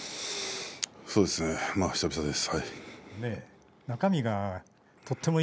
そうですね久々です、はい。